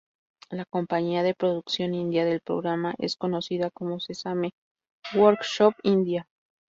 La compañía de producción india del programa es conocida como Sesame Workshop India.